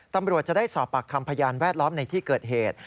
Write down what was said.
ตำรวจจะได้สอบปากคำพยานแวดล้อมในที่เกิดเหตุ